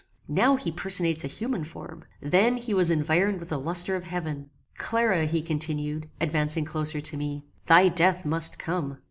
Now he personates a human form: then he was invironed with the lustre of heaven. "Clara," he continued, advancing closer to me, "thy death must come.